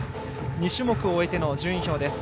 ２種目終えての順位表です。